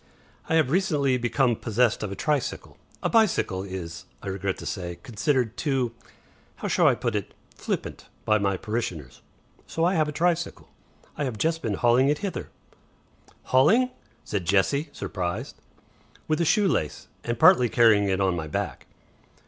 "I have recently become possessed of a tricycle. A bicycle is, I regret to say, considered too how shall I put it? flippant by my parishioners. So I have a tricycle. I have just been hauling it hither." "Hauling!" said Jessie, surprised. "With a shoe lace. And partly carrying it on my back."